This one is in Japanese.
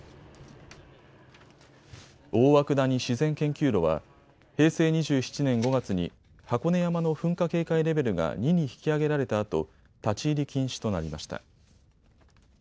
大涌谷自然研究路は平成２７年５月に箱根山の噴火警戒レベルが２に引き上げられたあと立ち入り禁止となりました。